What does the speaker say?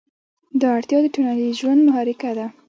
دا اړتیا د ټولنیز ژوند محرکه ده.